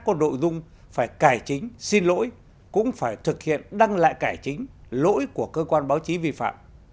có nội dung phải cải chính xin lỗi cũng phải thực hiện đăng lại cải chính lỗi của cơ quan báo chí vi phạm